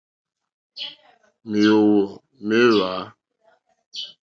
Mèóhwò méhwǎ.